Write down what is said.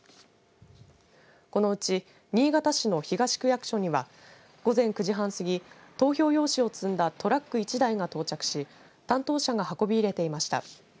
このうち、新潟市の東区役所には午前９時半すぎ投票用紙を積んだトラック１台が到着し担当者が運び入れていました。